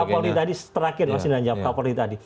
soal kapolri tadi terakhir mas indra jawab kapolri tadi